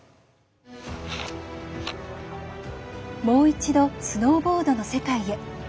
もう一度スノーボードの世界へ。